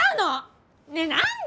ねえ何で！